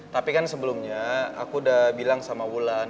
tapi kan sebelumnya aku udah bilang sama wulan